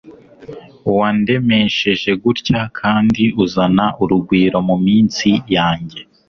wandemesheje gutya kandi uzana urugwiro muminsi yanjye